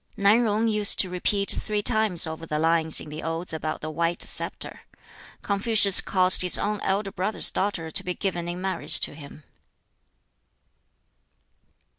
Nan Yung used to repeat three times over the lines in the Odes about the white sceptre. Confucius caused his own elder brother's daughter to be given in marriage to him.